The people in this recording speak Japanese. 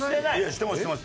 してますしてます